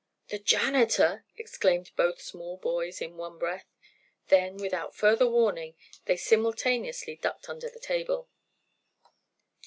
"The janitor!" exclaimed both small boys in one breath. Then, without further warning, they simultaneously ducked under the table.